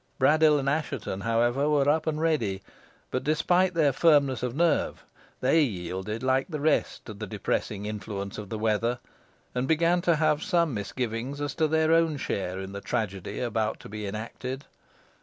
Braddyll and Assheton, however, were up and ready; but, despite their firmness of nerve, they yielded like the rest to the depressing influence of the weather, and began to have some misgivings as to their own share in the tragedy about to be enacted.